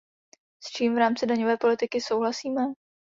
S čím v rámci daňové politiky souhlasíme?